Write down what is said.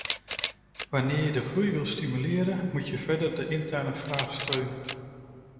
Wanneer je de groei wilt stimuleren, moet je verder de interne vraag steunen.